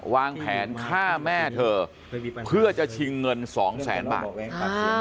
วางแผนฆ่าแม่เธอเพื่อจะชิงเงินสองแสนบาท